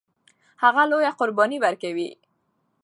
هغه لویه قرباني ورکوي.